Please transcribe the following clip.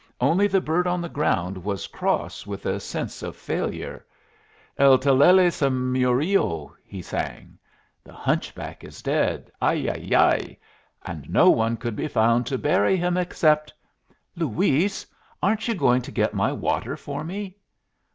Only the bird on the ground was cross with a sense of failure. "El telele se murió," he sang. "'The hunchback is dead. Ay! Ay! Ay! And no one could be found to bury him except '" "Luis, aren't you going to get my water for me?"